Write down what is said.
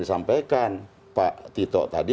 disampaikan pak tito tadi